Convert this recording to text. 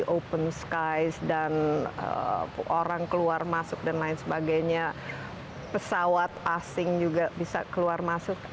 orang keluar masuk dan lain sebagainya pesawat asing juga bisa keluar masuk